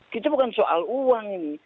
kita bukan soal uang ini